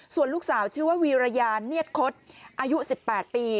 ส่วนลูกสาวชื่อว่าวีรยาเนียดคดอายุ๑๘ปี